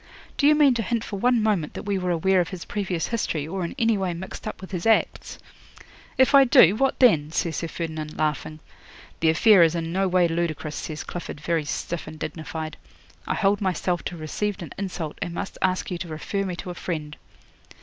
Do you mean to hint for one moment that we were aware of his previous history, or in any way mixed up with his acts?" '"If I do, what then?" says Sir Ferdinand, laughing. '"The affair is in no way ludicrous," says Clifford, very stiff and dignified. "I hold myself to have received an insult, and must ask you to refer me to a friend."